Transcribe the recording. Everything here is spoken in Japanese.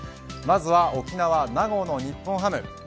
まずは沖縄、名護の日本ハム。